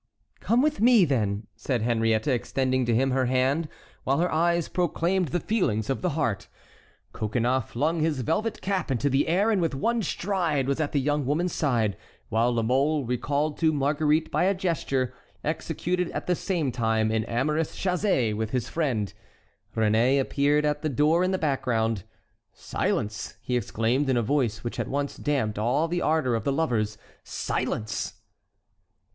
"Come with me, then," said Henriette, extending to him her hand, while her eyes proclaimed the feelings of her heart. Coconnas flung his velvet cap into the air and with one stride was at the young woman's side, while La Mole, recalled to Marguerite by a gesture, executed at the same time an amorous chassez with his friend. Réné appeared at the door in the background. "Silence!" he exclaimed, in a voice which at once damped all the ardor of the lovers; "silence!"